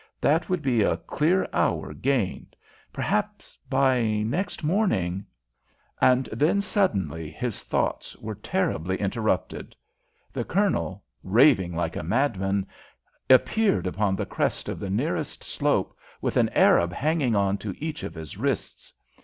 That would be a clear hour gained. Perhaps by next morning And then, suddenly, his thoughts were terribly interrupted. The Colonel, raving like a madman, appeared upon the crest of the nearest slope, with an Arab hanging on to each of his wrists.